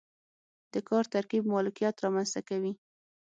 د کار ترکیب مالکیت رامنځته کوي.